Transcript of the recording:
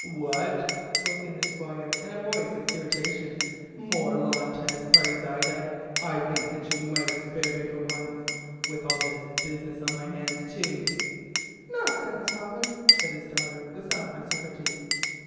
"What," broke in the Squire, in a voice of irritation, "more lawn tennis parties, Ida? I think that you might have spared me for once—with all this business on my hands, too." "Nonsense, father," said his daughter, with some acerbity.